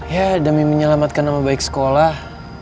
ya demi menyelamatkan nama baik sekolah